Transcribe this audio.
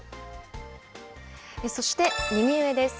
そして、右上です。